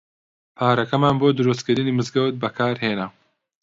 پارەکەمان بۆ دروستکردنی مزگەوت بەکار هێنا.